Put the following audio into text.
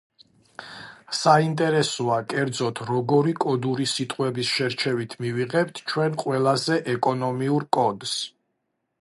საინტერესოა კერძოდ როგორი კოდური სიტყვების შერჩევით მივიღებთ ჩვენ ყველაზე ეკონომიურ კოდს.